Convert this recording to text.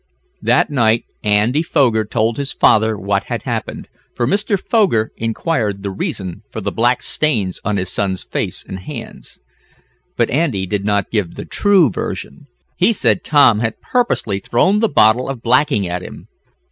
That night Andy Foger told his father what had happened, for Mr. Foger inquired the reason for the black stains on his son's face and hands. But Andy did not give the true version. He said Tom had purposely thrown the bottle of blacking at him.